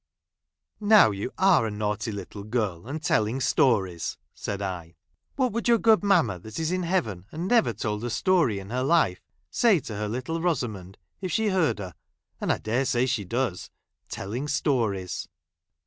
"Now you are a naughty little gii 1, and i telling stories," said I. " What would your good mamma, that is in heaven, and never told a story in her life, say to her little Rosamond, if she heard her — and I dare say she does — telling stories